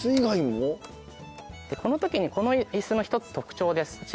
このときにこの椅子の１つ特徴です。